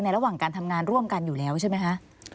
ระหว่างการทำงานร่วมกันอยู่แล้วใช่ไหมคะ